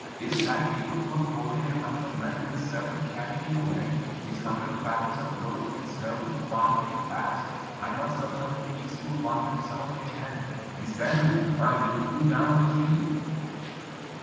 This sack, capable of holding a hundred men, will serve to carry thee away, this hundred fathoms of rope will serve to bind thee fast; I myself am the peaceful wandering Son of the Chan. Descend, or I will hew down the tree."